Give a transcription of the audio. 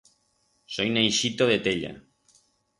Soi naixito de Tella.